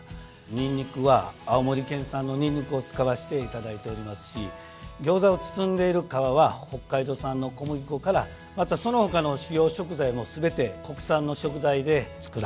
ニンニクは青森県産のニンニクを使わせていただいておりますしギョーザを包んでいる皮は北海道産の小麦粉からまたその他の主要食材も全て国産の食材で作らせていただいております。